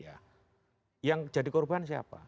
yang jadi korban siapa